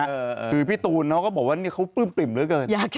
คือพี่ตูนเขาก็บอกว่านี่เขาปลื้มปริ่มเหลือเกิน